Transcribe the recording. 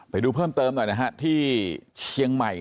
ไปดูเพิ่มเติมหน่อยนะฮะที่เชียงใหม่